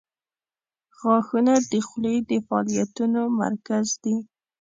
• غاښونه د خولې د فعالیتونو مرکز دي.